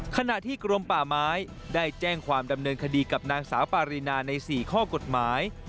ขณะที่กรมป่าไม้ได้แจ้งความดำเนินคดีกับนางสาวปารีนาใน๔ข้อกฎหมาย